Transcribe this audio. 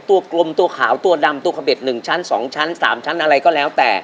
กลมตัวขาวตัวดำตัวขเด็ด๑ชั้น๒ชั้น๓ชั้นอะไรก็แล้วแต่